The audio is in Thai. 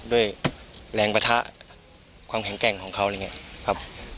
ด้วยแรงปะทะความแข็งแกร่งของเขา